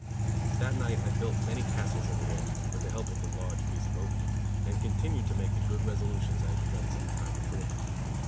That night I built many castles in the air, with the help of a large piece of opium: and continued to make the good resolutions I had begun some time before.